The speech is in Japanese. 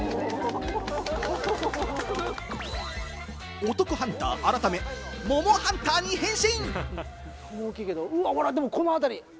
お得ハンター改め、桃ハンターに変身！